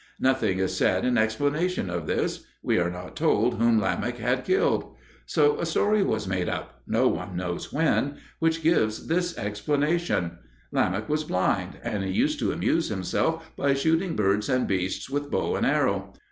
Nothing is said in explanation of this; we are not told whom Lamech had killed. So a story was made up no one knows when which gives this explanation: Lamech was blind, and he used to amuse himself by shooting birds and beasts with bow and arrow.